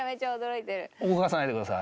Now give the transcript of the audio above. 動かさないでください。